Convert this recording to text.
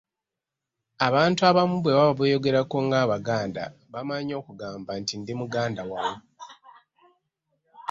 Abantu abamu bwe baba beeyogerako ng'Abaganda, bamanyi okugamba nti, “Ndi muganda wawu".